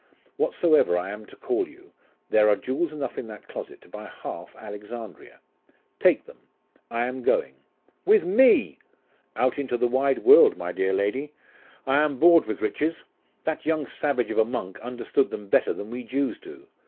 'Whatsoever I am to call you, there are jewels enough in that closet to buy half Alexandria. Take them. I am going.' 'With me!' 'Out into the wide world, my dear lady. I am bored with riches. That young savage of a monk understood them better than we Jews do.